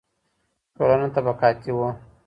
ټولنه طبقاتي وه.